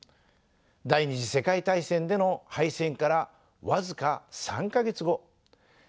第２次世界大戦での敗戦から僅か３か月後